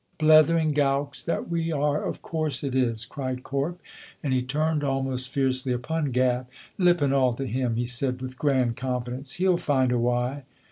"Blethering gowks that we are, of course it is!" cried Corp, and he turned almost fiercely upon Gav. "Lippen all to him," he said with grand confidence, "he'll find a wy."